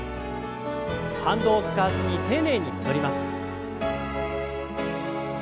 反動を使わずに丁寧に戻ります。